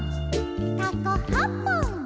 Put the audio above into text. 「タコはっぽん」